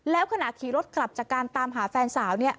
แล้วก็ขี่รถกลับตามหาแฟนสาวเนี้ย